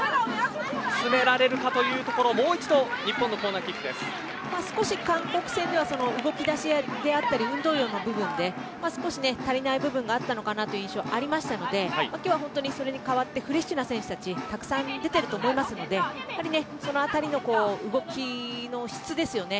詰められるかというところもう一度少し韓国戦では動き出しであったり運動量の部分で少し足りない部分があったのかなという印象ありましたので今日は、本当にそれにかわってフレッシュな選手たちたくさん出ていると思いますので、そのあたりの動きの質ですよね。